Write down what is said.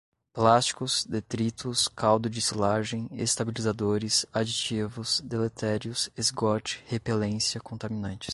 plásticos, detritos, caldo de silagem, estabilizadores, aditivos, deletérios, esgote, repelência, contaminantes